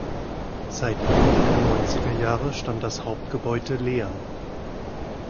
Seit Ende der neunziger Jahre stand das Hauptgebäude leer.